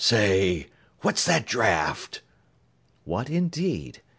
"Say, what's that draft?" What indeed?